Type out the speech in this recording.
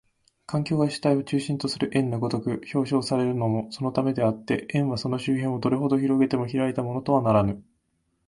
環境が主体を中心とする円の如く表象されるのもそのためであって、円はその周辺をどれほど拡げても開いたものとはならぬ。